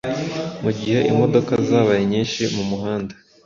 mu gihe imodoka zabaye nyinshi mu muhanda